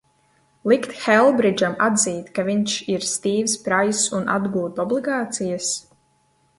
Likt Helbridžam atzīt, ka viņš ir Stīvs Praiss, un atgūt obligācijas?